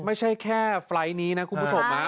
ไม่ใช่แค่ไฟล์ทนี้นะคุณผู้ชม